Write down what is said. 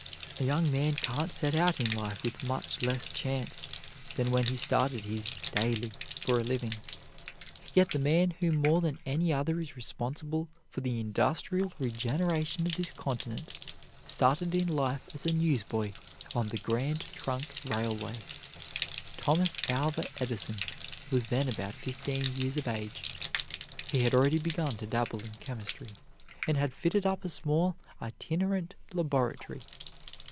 A young man can't set out in life with much less chance than when he starts his "daily" for a living. Yet the man who more than any other is responsible for the industrial regeneration of this continent started in life as a newsboy on the Grand Trunk Railway. Thomas Alva Edison was then about fifteen years of age. He had already begun to dabble in chemistry, and had fitted up a small itinerant laboratory.